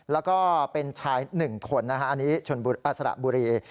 แล้วก็เป็นชาย๑คนนะฮะอันนี้ชนบุรีสระบุรี